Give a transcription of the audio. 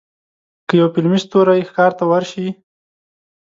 که یو فلمي ستوری ښار ته ورشي.